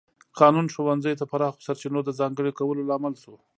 قانون ښوونځیو ته پراخو سرچینو د ځانګړي کولو لامل شو.